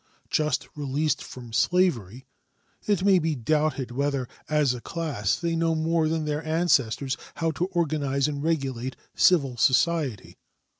Just released from slavery, it may be doubted whether as a class they know more than their ancestors how to organize and regulate civil society.